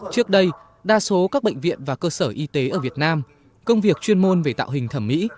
trước đây đa số các bệnh viện và cơ sở y tế ở việt nam công việc chuyên môn về tạo hình thẩm mỹ